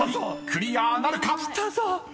クリアなるか⁉］